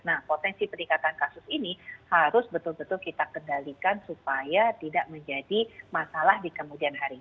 nah potensi peningkatan kasus ini harus betul betul kita kendalikan supaya tidak menjadi masalah di kemudian hari